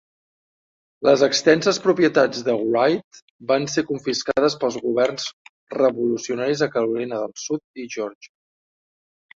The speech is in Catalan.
Les extenses propietats de Wright van ser confiscades pels governs revolucionaris a Carolina del Sud i Georgia.